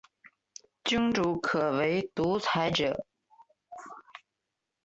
君主可为独裁者。